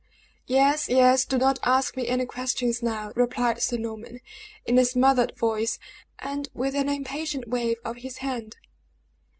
"Yes, yes. Do not ask me any questions now," replied Sir Norman, in a smothered voice, and with an impatient wave of his hand.